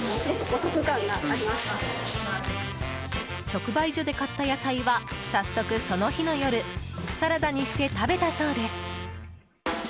直売所で買った野菜は早速、その日の夜サラダにして食べたそうです。